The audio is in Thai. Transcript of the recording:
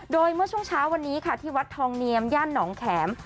โดยเมื่อช่วงเช้าวันนี้ค่ะที่วัดทองเนียมย่านหนองแข็ม